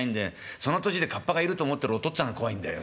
その年でカッパがいると思ってるお父っつぁんが怖いんだよ。